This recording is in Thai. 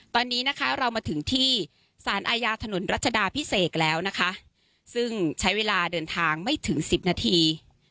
ตอนนี้นะคะเรามาถึงที่สารอาญาถนนรัชดาพิเศษแล้วนะคะซึ่งใช้เวลาเดินทางไม่ถึงสิบนาที